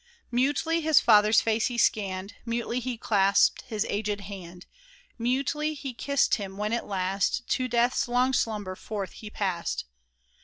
Mutely his father's face he scanned — Mutely he clasped his aged hand — Mutely he kissed him when at last To death's long slumber forth he passed